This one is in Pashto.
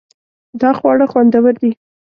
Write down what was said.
دا خواړه خوندور دي